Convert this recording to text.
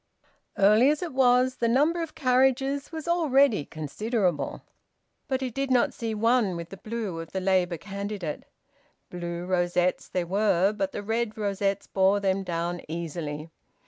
Early as it was, the number of carriages was already considerable. But he did not see one with the blue of the Labour candidate. Blue rosettes there were, but the red rosettes bore them down easily.